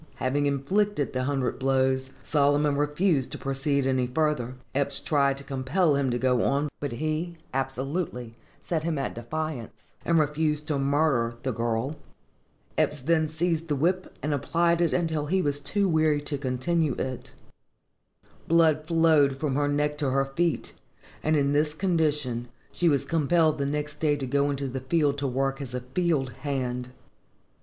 Having inflicted the hundred blows, Solomon refused to proceed any further. Eppes tried to compel him to go on, but he absolutely set him at defiance, and refused to murder the girl. Eppes then seized the whip, and applied it until he was too weary to continue it. Blood flowed from her neck to her feet, and in this condition she was compelled the next day to go into the field to work as a field hand.